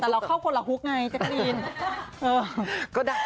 แต่เราเข้าคนหลักฮุกไงเจ้าก็ได้ยิน